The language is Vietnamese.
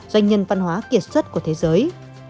doanh nhân văn hóa kiệt xuất của thế giới